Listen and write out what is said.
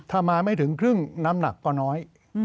ถ้ามาไม่ถึงครึ่งน้ำหนักก็น้อย